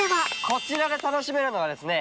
こちらで楽しめるのがですね